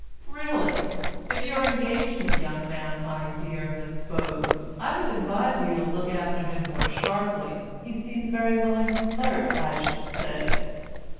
"Really? If you are engaged to the young man, my dear Miss Bowes, I would advise you to look after him more sharply. He seems very willing to flirt, I should say."